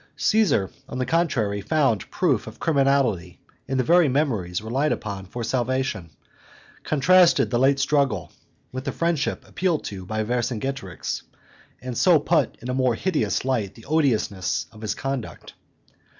Caesar, on the contrary, found proof of criminality in the very memories relied upon for salvation, contrasted the late struggle with the friendship appealed to by Vercingetorix, and so put in a more hideous light the odiousness of his conduct.